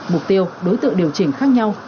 mục tiêu đối tượng điều chỉnh khác nhau